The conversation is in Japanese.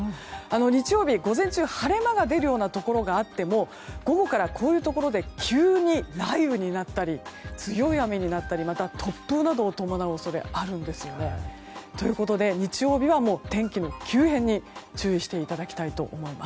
日曜日の午前中、晴れ間が出るようなところがあっても午後から、こういうところで急に雷雨になったり強い雨になったりまた、突風などを伴う恐れがあるので日曜日は天気の急変に注意していただきたいと思います。